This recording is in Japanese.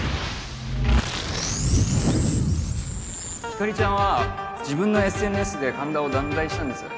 光莉ちゃんは自分のＳＮＳで神田を断罪したんです